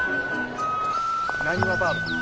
なにわバードマン。